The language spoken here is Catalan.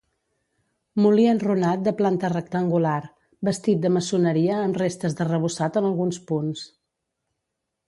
Molí enrunat de planta rectangular; bastit de maçoneria amb restes d'arrebossat en alguns punts.